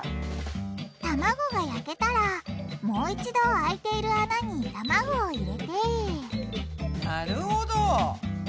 卵が焼けたらもう一度空いている穴に卵を入れてなるほど。